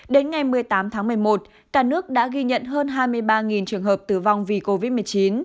đến ngày một mươi tám tháng một mươi một cả nước đã ghi nhận hơn hai mươi ba trường hợp tử vong vì covid một mươi chín